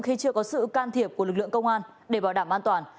khi chưa có sự can thiệp của lực lượng công an để bảo đảm an toàn